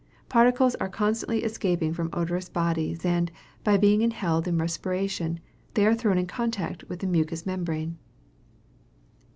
Particles are constantly escaping from odorous bodies; and, by being inhaled in respiration, they are thrown in contact with the mucous membrane.